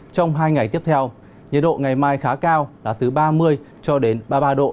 trong hai ngày tiếp theo nhiệt độ ngày mai khá cao là từ ba mươi cho đến ba mươi ba độ